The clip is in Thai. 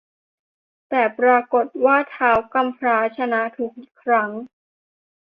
แต่ปรากฏว่าท้าวกำพร้าชนะทุกครั้ง